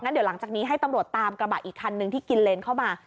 เดี๋ยวหลังจากนี้ให้ตำรวจตามกระบะอีกคันนึงที่กินเลนเข้ามา